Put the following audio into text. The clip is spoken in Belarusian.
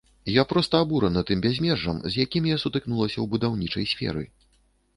Я проста абурана тым бязмежжам, з якім я сутыкнулася ў будаўнічай сферы.